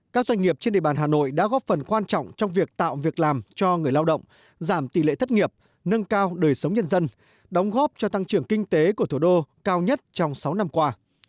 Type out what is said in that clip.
các doanh nghiệp trên địa bàn hà nội đã góp phần quan trọng trong việc tạo việc làm cho người lao động giảm tỷ lệ thất nghiệp nâng cao đời sống nhân dân đóng góp cho tăng trưởng kinh tế của thủ đô cao nhất trong sáu năm qua